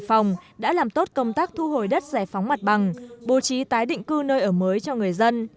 hải phòng đã làm tốt công tác thu hồi đất giải phóng mặt bằng bố trí tái định cư nơi ở mới cho người dân